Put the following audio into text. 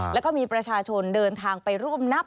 แล้วก็มีประชาชนเดินทางไปร่วมนับ